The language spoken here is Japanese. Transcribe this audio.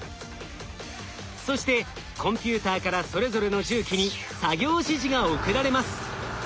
そしてコンピューターからそれぞれの重機に作業指示が送られます。